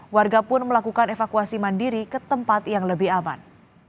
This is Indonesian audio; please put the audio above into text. warga pun melakukan evakuasi mandiri ke tempat yang lebih aman